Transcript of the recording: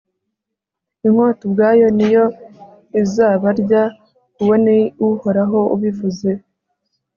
inkota ubwayo ni yo izabarya. uwo ni uhoraho ubivuze